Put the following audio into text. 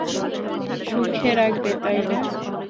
সুখে রাখবে, তাই না?